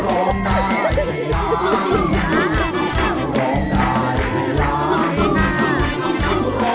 ร้องได้ให้ล้าน